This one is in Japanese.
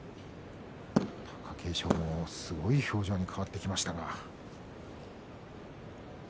貴景勝の表情もすごい表情に変わってきています。